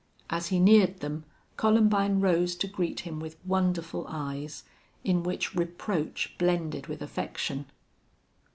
As he neared them Columbine rose to greet him with wonderful eyes, in which reproach blended with affection.